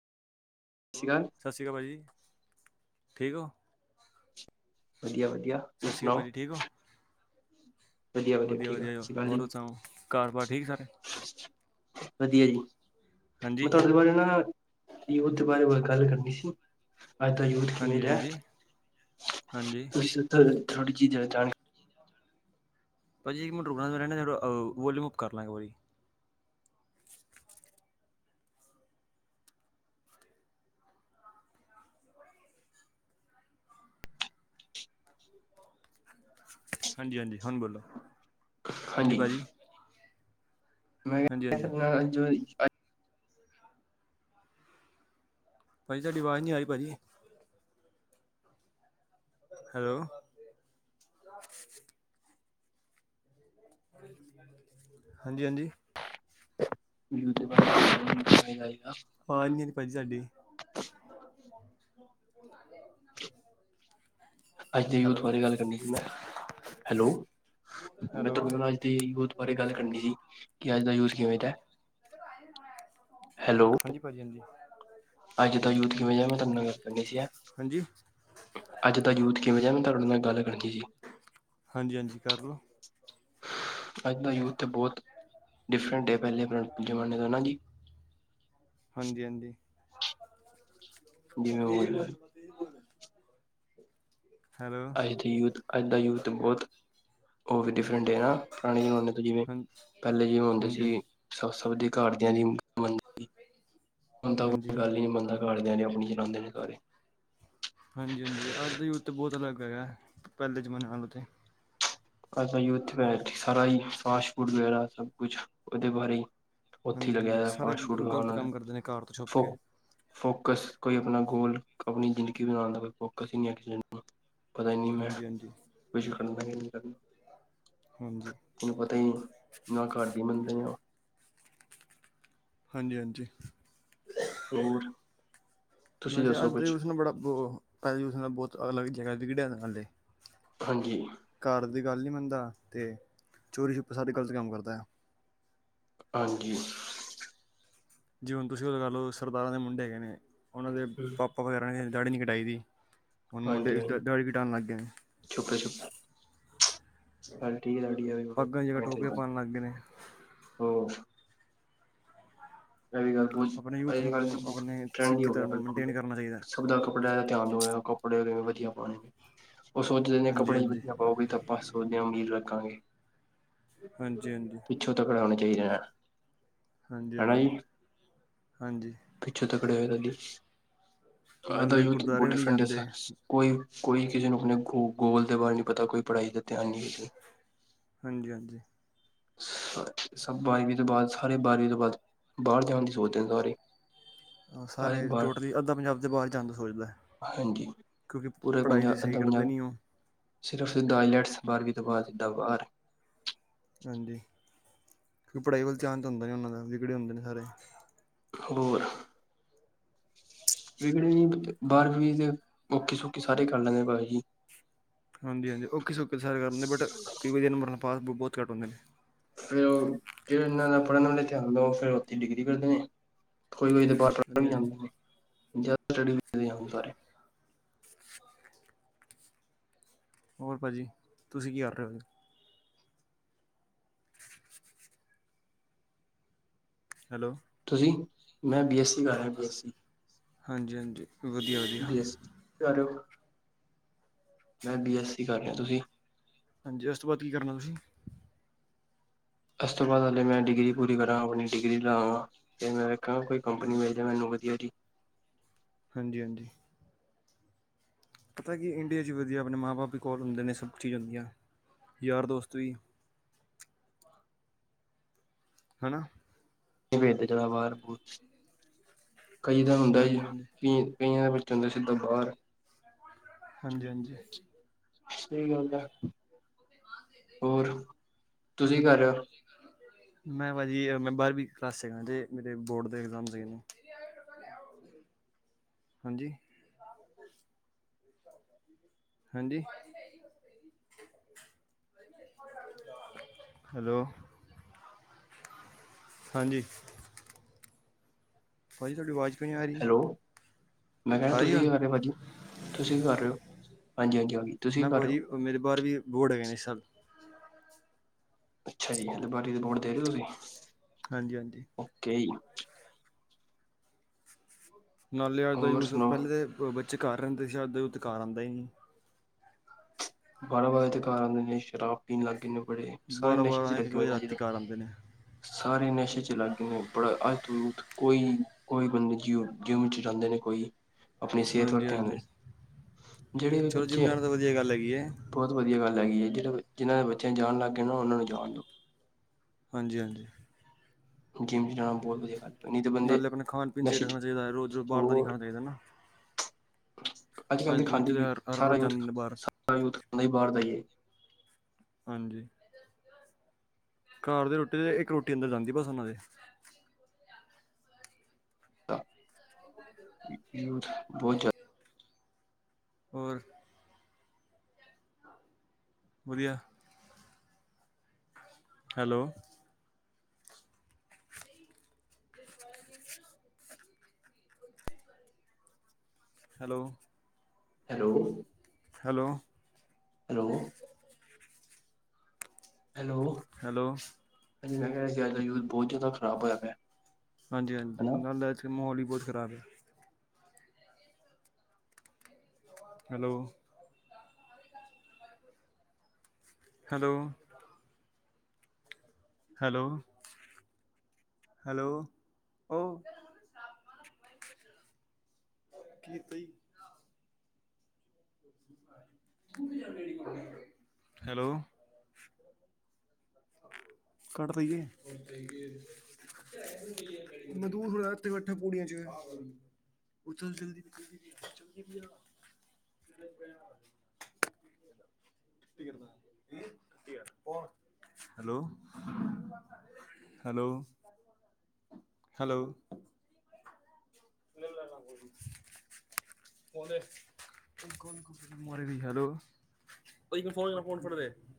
ਸਤਿ ਸ੍ਰੀ ਅਕਾਲ। ਸਤਿ ਸ੍ਰੀ ਅਕਾਲ ਭਾਜੀ ਠੀਕ ਹੋ? ਵਧੀਆ-ਵਧੀਆ। ਸਤਿ ਸ੍ਰੀ ਅਕਾਲ ਭਾਜੀ ਠੀਕ ਹੋ। ਵਧੀਆ-ਵਧੀਆ ਵਧੀਆ ਠੀਕ ਆ ਵਧੀਆ ਸਤਿ ਸ਼੍ਰੀ ਹੋਰ ਸੁਣਾਓ ਘਰ ਬਾਰ ਠੀਕ ਸਾਰੇ ਅਕਾਲ ਜੀ। ਵਧੀਆ ਜੀ, ਮੈਂ ਹਾਂਜੀ ਤੁਹਾਡੇ ਬਾਰੇ ਨਾ। ਯੂਥ ਬਾਰੇ ਬ ਗਲ ਕਰਨੀ ਸੀ। ਅੱਜ ਦਾ ਯੂਥ ਕਿਵੇਂ ਹਾਂਜੀ ਜਿਆ ਹਾਂਜੀ ਹਾਂਜੀ ਤੁ ਥੋੜ੍ਹੀ ਜੀ ਜਾਣਕਾਰੀ। ਭਾਜੀ ਇੱਕ ਮਿੰਟ ਰੁਕਣਾ ਜਰਾ ਨ ਵੋਲੀਅਮ ਓਕੇ ਕਰ ਲਾਂ ਇਕ ਵਾਰੀ। ਹਾਂਜੀ-ਹਾਂਜੀ ਹੁਣ ਬੋਲੋ, ਹਾਂਜੀ ਹਾਂਜੀ ਭਾਜੀ। ਹਾਂਜੀ ਹਾਂਜੀ [unintelligible] ਭਾਜੀ ਤੁਹਾਡੀ ਆਵਾਜ਼ ਨਹੀਂ ਆ ਰਰੀ ਭਾਜੀ। ਹੈਲੋ ਹਾਂਜੀ, ਹਾਂਜੀ ਜਾਗਾ [unintelligible] ਪ ਸਾਡੀ [unintelligible] ਅੱਜ ਦੀ ਯੂਥ ਹੈਲੋ ਬਾਰੇ ਗੱਲ ਕਰਨੀ ਸੀ ਮੈਂ, ਹੈਲੋ, ਮੈਂ ਹੈਲੋ ਤੁਹਾਡੇ ਨਾ ਅਜ। ਤੇ ਯੂਥ ਬਾਰੇ ਗੱਲ ਕਰਨੀ ਜੀ। ਕਿ ਅੱਜ ਦਾ ਯੂਜ ਕਿਵੇਂ ਦੈ? ਹੈਲੋ। ਹਾਂਜੀ-ਹਾਂਜੀ। ਅੱਜ ਦਾ ਯੂਥ ਕਿਵੇਂ ਜਾ ਮੈਂ ਤੁਹਾਡੇ ਨਾਲ ਗੱਲ ਕਰਨੀ ਸੀ ਐ। ਹਾਂਜੀ। ਅੱਜ ਦਾ ਯੂਥ ਕਿਵੇਂ ਜੀਆ ਮੈਂ ਤੁਹਾਡੇ ਨਾਲ ਗੱਲ ਕਰਨ ਸੀ। ਹਾਂਜੀ-ਹਾਂਜੀ, ਕਰ ਲੋ। ਅੱਜ ਦਾ ਯੂਥ ਬਹੁਤ ਡਿਫਰੈਂਟ ਹੈ ਪਹਿਲੇ ਜਮਾਨੇ ਦਾ ਨਾ ਜੀ। ਹਾਂਜੀ-ਹਾਂਜੀ। ਜਿਵੇਂ ਹੁਣ [unintelligible] ਅੱਜ ਦੇ ਯੂੱਥ, ਅੱਜ ਦਾ ਯੂੱਥ ਤੇ ਬਹੁਤ। ਉਹ ਵੀ ਡਿਫਰੈਂਟ ਹੈ ਨਾ ਪੁਰਾਣੇ ਜ਼ਮਾਨੇ ਤੋਂ ਜਿਵੇਂ ਹਾਂਜੀ ਪਹਿਲੇ ਜਿਵੇ ਹੁੰਦੇ ਹਾਂਜੀ ਹਾਂਜੀ ਸੀ। ਸ ਸਭ ਦੀ ਘਾਟ ਦੀਆਂ ਦੀ ਮੰਦੀ ਬੰਦਾ ਹਾਂਜੀ ਗੱਲ ਹੀ ਨੀ ਮੰਨਦਾ। ਘਰ ਦਿਆ ਨੇ ਆਪਣੀ ਚਲਾਉਂਦੇ ਨੇ ਸਾਰੇ। ਹਾਂਜੀ-ਹਾਂਜੀ, ਅੱਜ ਦਾ ਯੂਥ ਤਾਂ ਬਹੁਤ ਅਲੱਗ ਹੈਗਾ, ਪਹਿਲੇ ਜ਼ਮਾਨੇ ਨਾਲੋ ਤੇ। ਅੱਜ ਦਾ ਯੂੱਥ ਭਾਜੀ ਸਾਰਾ ਹੀ ਫਾਸਟ ਫੂਡ ਵਗੈਰਾ ਸਭ ਕੁਛ ਉਹਦੇ ਬਾਰੇ? ਉੱਥੇ ਹੀ ਹਾਂਜੀ ਲੱਗਿਆ ਹਾਂਜੀ ਦਾ, ਸਾਰਾ ਫਾਸਟ-ਫੂਟ ਗਲਤ ਵਾਲਾ ਕੰਮ ਕਰਦੇ ਨੇ ਕਾਰ ਤੋਂ ਛੁਪ ਫੋ ਕੇ ਫੋਕਸ, ਕੋਈ ਅਪਣਾ ਗੋਲ। ਅਪਣੀ ਜ਼ਿੰਦਗੀ ਬਣਾਣ ਦਾ ਕੋਈ ਫੋਕਸ ਈ ਨਈ ਐ, ਕਿਸੇ ਕੋਲ। ਪਤਾ ਈ ਨੀ, ਮੈਂ ਹਾਂਜੀ ਹਾਂਜੀ ਕੁਛ ਕਰਨਾ ਕਿ, ਨਹੀਂ ਕਰਨਾ। ਹਾਂਜੀ। ਤੈਨੂੰ ਪਤਾ ਹੀ ਨੀ, ਨਾ ਘਰਦੀ ਮੰਨਦੇ ਓ। ਹਾਂਜੀ-ਹਾਂਜੀ। ਹੋਰ ਤੁਸੀਂ ਵੈਸੇ, ਦੱਸੋ ਅੱਜ ਦੇ ਕੁਛ ਯੂਥ ਨੂੰ ਬੜਾ ਪੋ ਭਾਜੀ, ਉਸਨੂੰ ਬਹੁਤ ਅਲੱਗ ਜਗ੍ਹਾ ਦੀ ਵੀਡੀਆ ਦਿਖਾਂਦੇ। ਹਾਂਜੀ। ਘਰ ਦੀ ਗੱਲ ਨੀ ਮੰਨਦਾ ਤੇ, ਚੋਰੀ-ਛੁੱਪੇ ਸਾਰੇ ਗੱਲਤ ਕੰਮ ਕਰਦਾ। ਹਾਂਜੀ। ਜੀ ਹੁਣ ਤੁਸੀਂ ਲਗਾ ਓਹ ਕਰਲੋ, ਸਰਦਾਰਾਂ ਦੇ ਮੁੰਡੇ ਹੈਗੇ ਨੇ, ਉਹਨਾਂ ਦੇ ਹੂੰ ਪਾਪਾ ਵਗੈਰਾ ਨੇ ਦਾੜੀ ਨਹੀਂ ਕਟਾਈ ਦੀ। ਹੁਣ ਮੁੰਡੇ, ਹਾਂਜੀ ਦਦਾ, ਹਾਂਜੀ ਦਾੜੀ ਕਟਾਣ ਲੱਗ ਗਏ ਨੇ। ਹਲਕੀ ਦਾੜੀ ਆਈ ਪੱਗਾਂ ਦੀ ਜਗ੍ਹਾ ਟੋਪੀਆਂ [unintelligible] ਪਾਉਣ ਲੱਗ ਗਏ ਨੇ ਹੋ ਇਹ ਵੀ ਗੱਲ ਪੁਛ, ਆਪਣੇ ਯੂਥ ਇਹ ਨੂੰ ਗੱਲ, ਸਾਨੂੰ ਆਪਣੇ ਟਰੈਂਡ ਹੀ ਸਿੱਖੀ ਹੋਗਿਆ ਧਰਮ ਨੂੰ ਬਿਲਕੁਲ। ਮੇਨਟੇਨ ਕਰਨਾ ਚਾਹੀਦਾ ਆਪਦਾ ਕੱਪੜਿਆਂ ਦਾ ਧਿਆਨ ਦੋ, ਹੋਇਆ ਕੱਪੜੇ ਵਧੀਆ ਪਾਣੇ, ਉਹ ਸੋਚਦੇ ਨੇ ਹਾਂਜੀ ਕੱਪੜੇ ਹਾਂਜੀ ਵਧੀਆ ਪਾਓਗੇ ਤਾ ਬਸ, ਓਂਨੇ ਅਮੀਰ ਲੱਗਾਂਗੇ। ਹਾਂਜੀ-ਹਾਂਜੀ। ਪਿੱਛੋਂ ਤਕਰ, ਆਣੇ ਚਾਹੀਦੇ ਨਾ। ਹਾਂਜੀ-ਹਾਂਜੀ, ਹਾਂਜੀ। ਪਿੱਛੇ ਤਕੜੇ ਹੋਏ, ਅਜ ਦਾ ਨਾਲੇ ਯੂਥ ਗੁਰਦੁਆਰੇ ਵੀ ਨਹੀਂ ਜਾਂਦੇ [unintelligible] ਕੋਈ, ਕੋਈ ਕਿਸੇ ਨੂੰ ਆਪਣੇ ਗੋ ਗੋਲ ਦੇ ਬਾਰੇ ਨਹੀਂ ਪਤਾ, ਕੋਈ ਪੜ੍ਹਾਈ ਦਾ ਧਿਆਨ ਨਹੀਂ ਹਾਂਜੀ-ਹਾਂਜੀ। ਸਭ ਬਾਰ੍ਹਵੀ ਤੋਂ ਬਾਅਦ, ਸਾਰੇ ਬਾਰ੍ਹਵੀ ਤੋਂ ਬਾਅਦ ਬਾਹਰ ਜਾਣ ਦੀ ਸੋਚਦੇ ਨੇ, ਸਾਰੇ। ਹਾਂ, ਸਾਰੇ ਟੋਟਲੀ ਅੱਧਾ ਪੰਜਾਬ ਤੇ ਬਾਹਰ ਜਾਣ ਦੀ ਸੋਚਦਾ। ਹਾਂਜੀ ਕਿਉਂਕਿ ਪੂਰੇ ਪੜ੍ਹਾਈ ਤੇ ਪੰਜਾਬ ਸਹੀ ਅੱਧਾ ਕਰਦੇ ਪੰਜਾਬ ਨੀ, ਉਹ। ਸਿਰਫ ਸਿੱਧਾ ਆਈਲੈਟਸ, ਬਾਰ੍ਹਵੀ ਤੋਂ ਬਾਅਦ ਸਿੱਧਾ ਬਾਹਰ। ਹਾਂਜੀ, ਪੜ੍ਹਾਈ ਵੱਲ ਧਿਆਨ ਤੇ ਹੁੰਦਾ ਨਹੀਂ ਉਹਨਾਂ ਦਾ, ਵਿਗੜੇ ਹੁੰਦੇ ਨੇ ਸਾਰੇ। ਹੋਰ! ਵਿਗੜੇ ਨੀ ਬਾਰ੍ਹਵੀ ਤੇ, ਔਖੀ-ਸੌਖੀ ਸਾਰੇ ਕਰ ਲੈਂਦੇ ਭਾਜੀ। ਹਾਂਜੀ-ਹਾਂਜੀ, ਓਕੇ-ਸੌਖੇ ਸਾਰੇ ਕਰ ਲੈਂਦੇ ਨੇ, ਬਟ ਕੋਈ ਵਧੀਆ ਨੰਬਰ ਤੋ ਪਾਸੁ ਬਹੁਤ ਘੱਟ ਹੁੰਦੇ ਨੇ। ਫੇਰ ਉਹ, ਜਿਹਨਾਂ ਦਾ ਪੜ੍ਹਨ ਵੱਲ ਧਿਆਨ ਹੁੰਦਾ, ਉਹ ਫੇਰ ਉੱਥੇ ਡਿਗਰੀ ਕਰਦੇ ਨੇ। ਕੋਈ-ਕੋਈ ਤੇ ਪਾਸ ਤਕ ਵੀ ਹਾਂਜੀ ਨੀ ਹਾਂਜੀ ਆਂਦੇ, ਜਾ ਸਟੱਡੀ ਵੀਜੇ ਆਂ ਸਾਰੇ। ਹੋਰ ਭਾਜੀ, ਤੁਸੀਂ ਕੀ ਕਰ ਰਹੇ ਹੋ? ਹੈਲੋ। ਤੁਸੀਂ? ''ਮੈਂ ਬੀ ਐੱਸਸੀ ਕਰ ਰਿਹਾਂ, ਬੀ ਐੱਸ ਸੀ। ਹਾਂਜੀ ਹਾਂਜੀ ਵਧੀਆ ਵਧੀਆ ਬੀ ਐੱਸ ਸੀ ਕੀ ਕਰ ਰਹੇ ਓ? ਮੈਂ, ਬੀ ਐੱਸ ਸੀ ਕਰ ਰਿਹਾਂ। ਤੂਸੀਂ? ਹਾਂਜੀ, ਉਸ ਤੋਂ ਬਾਅਦ ਕੀ ਕਰਨਾ ਤੁਸੀਂ? ਇਸ ਤੋਂ ਬਾਅਦ ਹਾਲੇ ਮੈਂ ਡਿਗਰੀ ਪੂਰੀ ਕਰਾਂ, ਆਪਣੀ ਡਿਗਰੀ ਲ੍ਹਾਂਗਾ। ਤੇ, ਮੈਂ ਵੇਖਾਂਗਾ, ਕੋਈ ਕੰਪਨੀ ਮਿਲ ਜਾਏ ਮੈਨੂੰ ਵਧੀਆ ਜੀ। ਹਾਂਜੀ-ਹਾਂਜੀ। ਪਤਾ ਕਿ, ਇੰਡੀਆ 'ਚ ਵਧੀਆ ਆਪਣੇ ਮਾਂ-ਬਾਪ ਵੀ ਕੋਲ ਹੁੰਦੇ ਨੇ, ਸਭ ਚੀਜ਼ ਹੁੰਦੀਆਂ ਯਾਰ ਦੋਸਤ ਵੀ। ਹਨਾ? ਵੇ ਤੇ ਚਲਾ, ਬਾਹਰ-ਬੁਹਰ ਕਈ ਤਾਂ ਹੁੰਦਾ ਜੀ, ਹਾਂਜੀ ਹਾਂਜੀ ਪੀਣ ਕਈਆਂ ਦੇ ਬੱਚੇ ਹੁੰਦੇ, ਸਿੱਧਾ ਬਾਹਰ। ਹਾਂਜੀ ਹਾਂਜੀ ਸਹੀ ਗੱਲ ਐ। ਤੁਸੀਂ ਕੀ ਕਰ ਵਧੀਆ। ਰਹੇ ਹੋ ਮੈਂ ਭਾਜੀ, ਮੈਂ ਬਾਰਵੀਂ ਕਲਾਸ'ਚ ਤੇ, ਮੇਰੇ ਬੋਰਡ ਦੇ ਐਗਜ਼ਾਮ ਸੀਗੇਨ। ਹ [inaudible] ਹਾਂਜੀ! ਹਾਂਜੀ ਹੈਲੋ ਹਾਂਜੀ ਭਾਜੀ ਤੁਹਾਡੀ ਆਵਾਜ਼ ਕਿਉਂ ਨਹੀਂ ਆ ਰਹੀ ਹੈਲੋ, ਮੈਂ ਕਹਿਣਾ ਆ ਰਹੀ ਤੁਸੀਂ ਹੁਣ ਕੀ ਕਰ ਰਹੇ ਹੋ ਭਾਜੀ, ਤੁਸੀ ਕੀ ਕਰ ਰਹੇ ਔ, ਹਾਂਜੀ ਹਾਂਜੀ ਤੁਸੀਂ ਮੈਂ ਕੀ ਕਰ ਕਿਹਾ ਰਹੇ ਹੋ ਜੀ, ਮੇਰੇ ਬਾਹਰ ਵੀ, ਬੋਰਡ ਹੈ ਗਏ ਸਤ ਅੱਛਾ ਜੀ, ਗੱਲ ਬਾਰੀ ਦੀ ਰਿਪੋਰਟ ਦੇ ਰਹੇ ਹੋ ਤੁਸੀਂ ਹਾਂਜੀ ਹਾਂਜੀ ਓਕੇ ਨਾਲੇ ਅੱਜ ਦਾ ਹੋਰ ਯੂਥ, ਪਹਿਲੇ ਸੁਣਾਓ ਦੇ ਬੱਚੇ ਘਰ ਰਹਿੰਦੇ ਸੀ, ਅੱਜ ਦਾ ਯੂਥ ਘਰ ਆਉਂਦਾ ਹੀ ਨਹੀਂ ਬਾਰਾਂ ਵਜੇ ਤੇ ਘਰ ਆਂਦੇ ਨੇ, ਸ਼ਰਾਬ ਪੀਣ ਲੱਗ ਜਾਂਏ ਨੇ ਬੜੇ, ਸਾਰੇ ਬਾਰਾਂ ਨਸ਼ੇ ਚ ਬਾਰਾਂ ਇੱਕ ਇੱਕ ਲੱਗੇ ਹੋਏ ਵਜੇ ਨੇ ਜ ਰਾਤੀ ਘਰ ਆਉਂਦੇ ਨੇ ਸਾਰੇ ਨਸ਼ੇ ਚ ਲਾਗ ਗੇ ਨੇ, ਬੜਾ ਆ ਯੂਥ, ਕੋਈ ਕੋਈ ਬੰਦਾ ਜੀਓ ਜਿੰਮ ਚ ਜਾਂਦੇ ਨੇ ਕੋਈ, ਆਪਣੀ ਸਿਹਤ ਵ ਹਾਂਜੀ ਧਿਆਨ ਹਾਂਜੀ ਦੇ, ਜਿਹੜੇ ਵੀ ਬੱਚੇ ਕੀ ਗੱਲ ਹੈਗੀ ਐ। ਬਹੁਤ ਵਧੀਆ ਗੱਲ ਹੈਗੀ ਹੈ, ਜਿਹੜਾ ਜਿਹਨ੍ਹਾਂ ਦੇ ਬੱਚਿਆਂ ਜਾਣ ਲੱਗ ਗਏ ਨਾ, ਉਹਨਾਂ ਨੂੰ ਜਾਣ ਦਿਉ। ਹਾਂਜੀ-ਹਾਂਜੀ, ਜਿਮ ਚ ਜਾਣਾ ਬਹੁਤ ਵਧੀਆ ਗੱਲ ਐ। ਨਾਲੇ ਆਪਨੇ ਖਾਣ ਪੀਣ ਰੱਖਣਾ ਚਾਹੀਦਾ, ਰੋਜ਼ ਰੋਜ਼ ਬਾਹਰ ਦਾ ਨੀ ਹੋਰ ਖਾਣਾ ਚਾਹੀਦਾ ਹੈਨਾ। ਅੱਜ ਕੱਲ ਦੇ ਬੱਚੇ ਖਾਂਦੇ ਤਾਂ ਹਰ ਹਰ ਸਾਰਾ ਰੋਜ਼ ਯੂਥ ਜਾਂਦੇ ਨੇ ਬਾਹਰ ਸਾਰਾ ਯੂਥ, ਖਾਂਦਾ ਹੀ ਬਾਹਰ ਦਾ ਹੀ ਐ। ਹਾਂਜੀ, ਘਰ ਦੀ ਰੋਟੀ, ਇੱਕ ਰੋਟੀ ਅੰਦਰ ਜਾਂਦੀ ਬਸ ਉਹਨਾਂ ਦੇ ਬਹੁਤ ਜ਼ਿਆਦਾ। ਹੋਰ, ਵਧੀਆ। Hello, [unintelligible] hello, hello, hello, hello, hello hello ਮੈਂ ਕਹਿ ਰਿਹਾ ਸੀ ਅਜ ਦਾ ਯੂਥ, ਬਹੁਤ ਜਿਆਦਾ ਖਰਾਬ ਹੋਇਆ ਪਇਆ। ਹਾਂਜੀ ਹਾਂਜੀ, ਨਾਲੇ ਅੱਜ ਕੱਲ ਮਾਹੌਲ ਹੀ ਬਹੁਤ ਖ਼ਰਾਬ ਹੈ ਹੈਲੋ ਹੈਲੋ, ਹੈਲੋ ਹੈਲੋ ਓ। ਕੀ ਪਈ ਹੈਲੋ, ਘੱਟ ਦੇਈਏ। ਮਜ਼ਦੂਰ ਹੋਣਾ, ਉੱਥੇ ਬੈਠਾ ਪੋੜੀਆਂ ਚ ਉਹ ਚਲਦੀ ਚਲਦੀ ਪਈ ਆ। [unintelligible] ਹੈਲੋ ਹੈਲੋ ਹੈਲੋ, [unintelligible] ਮਰੇ ਦੀ ਹੈਲੋ। ਉਹ ਫੋਨ ਫੋ ਸੁਡ [inaudible]